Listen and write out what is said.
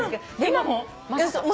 今も？